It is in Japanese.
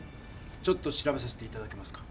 ちょっと調べさせていただけますか？